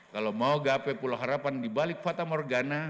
kalau mau gape pulau harapan di balik fatah morgana